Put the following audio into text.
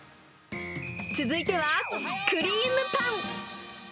続いては、クリームパン。